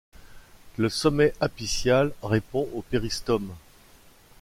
Le sommet apicial répond au péristome.